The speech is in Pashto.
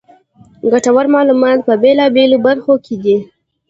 ګټورمعلومات په بېلا بېلو برخو کې دي.